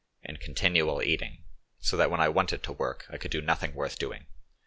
In continual eating, so that when I wanted to work I could do nothing worth doing.